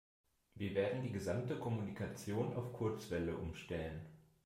Wir werden die gesamte Kommunikation auf Kurzwelle umstellen.